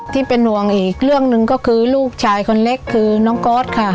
ที่เป็นห่วงอีกเรื่องหนึ่งก็คือลูกชายคนเล็กคือน้องก๊อตค่ะ